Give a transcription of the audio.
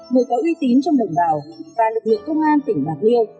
người có uy tín trong đồng bào và lực lượng công an tỉnh bạc liêu